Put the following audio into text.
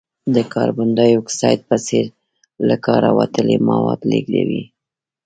د کاربن ډای اکساید په څېر له کاره وتلي مواد لیږدوي.